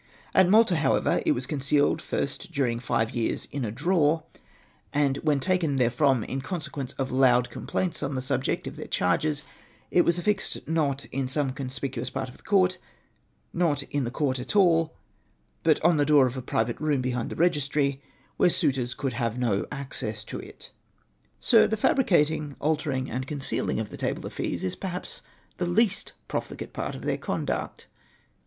At Malta, however, it was concealed, first, during five years in a drawer, and when taken therefrom in con sequence of loud complaints on the subject of their charges, it was affixed, not ' in some conspicuous part of the Court,' not in the Court at all, but on the door of a private room behind the Eegistry, where suitors could have no access to it. " Sir, The fabricating, altering, and concealing the table of fees is, perhaps, the least profligate part of their conduct.